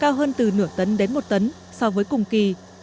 cao hơn từ nửa tấn đến một tấn so với cùng kỳ